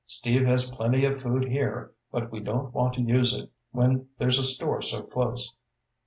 "Steve has plenty of food here, but we don't want to use it when there's a store so close."